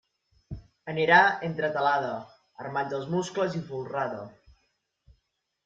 Anirà entretelada, armats els muscles i folrada.